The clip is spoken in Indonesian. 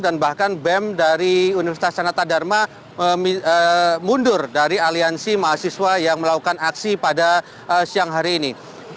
dan bahkan bem dari universitas sanata dharma mundur dari aliansi mahasiswa yang melakukan aksi pada siang hari ini